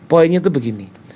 poinnya tuh begini